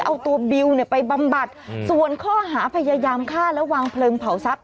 เอาตัวบิวเนี่ยไปบำบัดส่วนข้อหาพยายามฆ่าและวางเพลิงเผาทรัพย